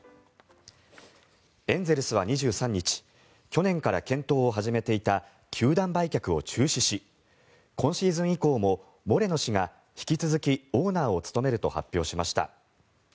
エンゼルスは２３日去年から検討を始めていた球団売却を中止し今シーズン以降もモレノ氏が引き続きオーナーを務めると発表しました。